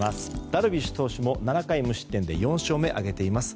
ダルビッシュ投手も７回無失点で４勝目を挙げています。